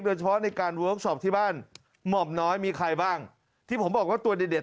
โดยเฉพาะในการเวิร์คชอปที่บ้านหม่อมน้อยมีใครบ้างที่ผมบอกว่าตัวเด็ดเด็ด